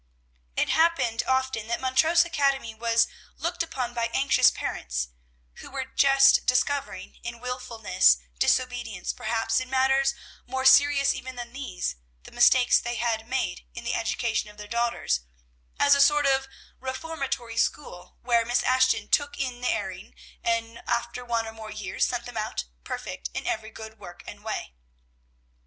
It happened often that Montrose Academy was looked upon by anxious parents who were just discovering, in wilfulness, disobedience, perhaps in matters more serious even than these, the mistakes they had made in the education of their daughters as a sort of reformatory school, where Miss Ashton took in the erring, and after one or more years sent them out perfect in every good work and way.